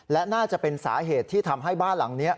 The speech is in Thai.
และน่าจะเป็นสาเหตุที่ทำให้บ้านหลังนี้